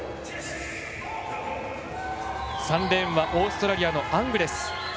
３レーンはオーストラリアのアングレス。